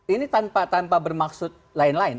ini tanpa bermaksud lain lain